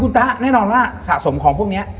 ตะแน่นอนว่าสะสมของพวกนี้